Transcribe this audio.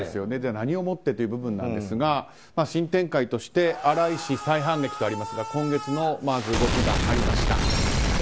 何をもってという部分ですが新展開として新井氏、再反撃とありますが今月の、まず動きがありました。